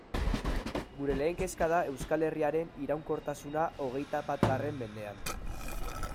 Gure lehen kezka da Euskal Herriaren iraunkortasuna hogeita batgarren mendean.